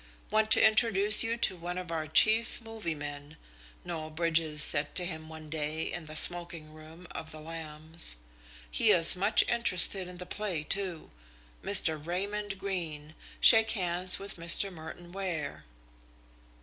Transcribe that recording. "Want to introduce you to one of our chief 'movie' men," Noel Bridges said to him one day in the smoking room of "The Lambs." "He is much interested in the play, too. Mr. Raymond Greene, shake hands with Mr. Merton Ware."